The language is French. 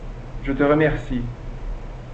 Je te remercie.